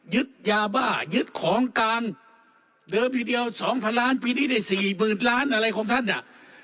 ยึดยาบ้ายึดของกลางเดิมทีเดียว๒๐๐ล้านปีนี้ได้สี่หมื่นล้านอะไรของท่านอ่ะ